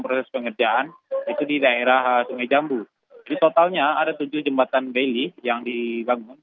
proses pengerjaan itu di daerah sungai jambu jadi totalnya ada tujuh jembatan gaili yang dibangun